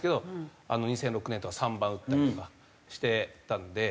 ２００６年とか３番打ったりとかしてたので。